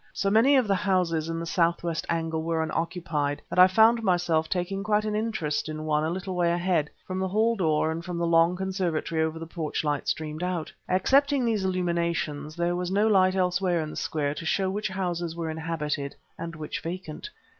So many of the houses in the southwest angle were unoccupied, that I found myself taking quite an interest in one a little way ahead; from the hall door and from the long conservatory over the porch light streamed out. Excepting these illuminations, there was no light elsewhere in the square to show which houses were inhabited and which vacant.